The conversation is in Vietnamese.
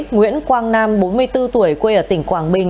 nguyễn quang nam bốn mươi bốn tuổi quê ở tỉnh quảng bình